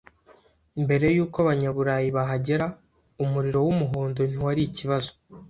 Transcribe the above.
Mbere yuko Abanyaburayi bahagera, umuriro w’umuhondo ntiwari ikibazo.